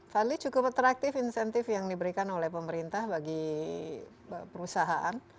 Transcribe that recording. fadli cukup atraktif insentif yang diberikan oleh pemerintah bagi perusahaan